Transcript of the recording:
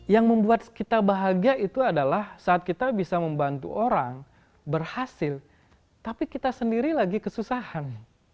yang membuat kita bahagia itu adalah saat kita bisa membantu orang berhasil tapi kita sendiri lagi kesusahan